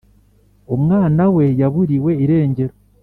Umwana we yaburiwe irengero